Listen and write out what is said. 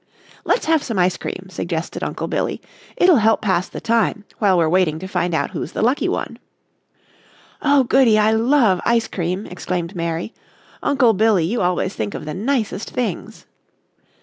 "Let's have some ice cream," suggested Uncle Billy, "it'll help pass the time while we're waiting to find out who's the lucky one." "Oh, goody, I love ice cream!" exclaimed Mary. "Uncle Billy, you always think of the nicest things."